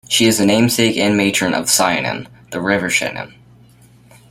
She is the namesake and matron of Sionainn, the River Shannon.